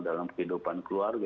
dalam kehidupan keluarga